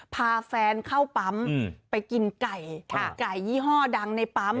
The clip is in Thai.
พาแฟนเข้าปั๊มไปกินไก่ไก่ยี่ห้อดังในปั๊ม